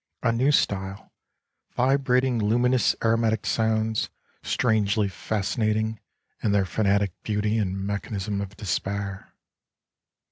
A new style! Vibrating luminous aromatic sounds, strangely fascinating in their fanatic beauty and mechanism of despair.